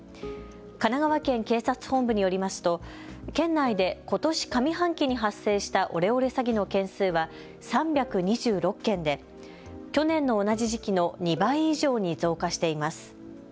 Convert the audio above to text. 神奈川県警察本部によりますと県内でことし上半期に発生したオレオレ詐欺の件数は３２６件で去年の同じ時期の２倍以上に増加しています。